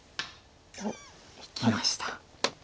おっいきました。